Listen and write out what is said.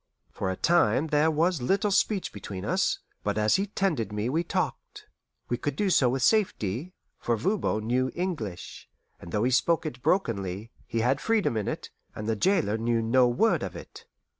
For a time there was little speech between us, but as he tended me we talked. We could do so with safety, for Voban knew English; and though he spoke it brokenly, he had freedom in it, and the jailer knew no word of it.